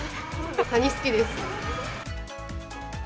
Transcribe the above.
カニ好きです。